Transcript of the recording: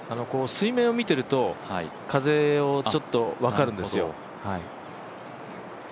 水面を見ていると、風ちょっと分かるんですよ。